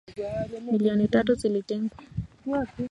milioni tatu zilitengwa